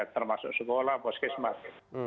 termasuk sekolah pos kesmas